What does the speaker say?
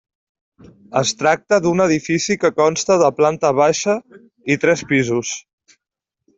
Es tracta d'un edifici que consta de planta baixa i tres pisos.